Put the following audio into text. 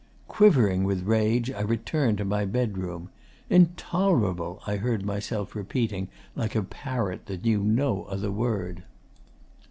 'Quivering with rage, I returned to my bedroom. "Intolerable," I heard myself repeating like a parrot that knew no other word.